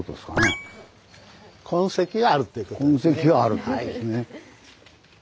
痕跡があるってことですね。